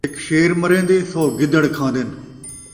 ہک شیر مرین٘دے ، سو گدڑ کھان٘دن